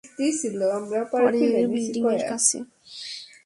পরের বিল্ডিংয়ের কাছে লরি নিয়ে অপেক্ষা কর।